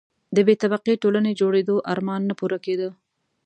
د بې طبقې ټولنې جوړېدو آرمان نه پوره کېده.